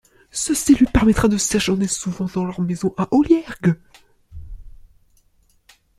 Ceci lui permettra de séjourner souvent dans leur maison à Olliergues.